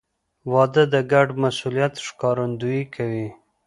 • واده د ګډ مسؤلیت ښکارندویي کوي.